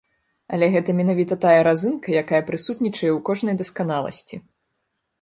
Але гэта менавіта тая разынка, якая прысутнічае ў кожнай дасканаласці.